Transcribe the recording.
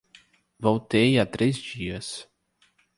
Voltei há três dias.